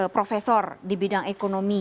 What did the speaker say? profesor di bidang ekonomi